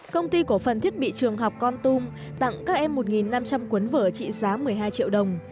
công ty cổ phần thiết bị trường học con tum tặng các em một năm trăm linh cuốn vở trị giá một mươi hai triệu đồng